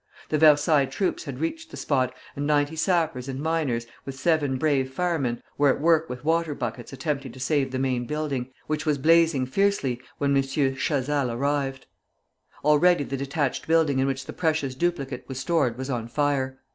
The Versailles troops had reached the spot, and ninety sappers and miners, with seven brave firemen, were at work with water buckets attempting to save the main building, which was blazing fiercely when M. Chazal arrived. Already the detached building in which the precious duplicate was stored was on fire.